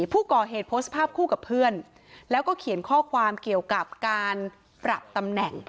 โพสต์ภาพคู่กับเพื่อนแล้วก็เขียนข้อความเกี่ยวกับการปรับตำแหน่ง